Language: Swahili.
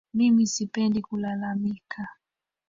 Mimi sipendi kulalamika